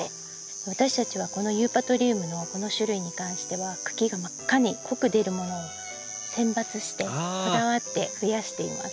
私たちはこのユーパトリウムのこの種類に関しては茎が真っ赤に濃く出るものを選抜してこだわってふやしています。